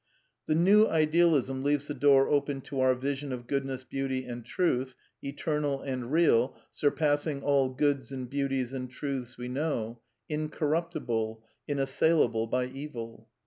The New Idealism leaves the door open to our vision of Goodness, Beauty, and Truth, eternal and real, sur passing all goods and beauties and truths we know; in corruptible ; inassailable by evil.